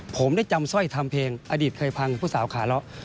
ผมได้จำสร้อยทำเพลงอดีตเคยพังผู้สาวขาเลาะ